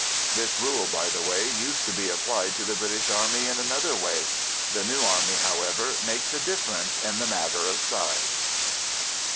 This rule, by the way, used to be applied to the British Army in another way: the new army, however, makes a difference in the matter of size.